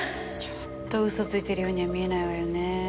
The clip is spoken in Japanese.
ちょっと嘘ついてるようには見えないわよねぇ。